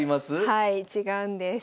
はい違うんです。